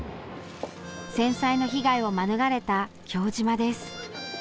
戦災の被害を免れた京島です。